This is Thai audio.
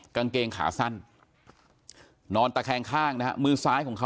กางเกงขาสั้นนอนตะแคงข้างนะฮะ